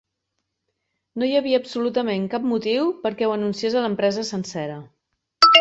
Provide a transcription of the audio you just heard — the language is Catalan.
No hi havia absolutament cap motiu perquè ho anunciés a l'empresa sencera.